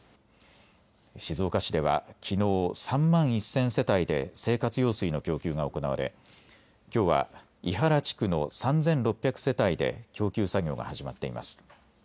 静岡市では、きのう３万１０００世帯で生活用水の供給が行われきょうは庵原地区の３６００世帯で供給作業が始まっています。